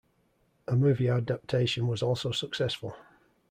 A movie adaptation was also successful.